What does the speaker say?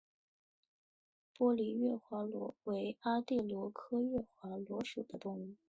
玻璃月华螺为阿地螺科月华螺属的动物。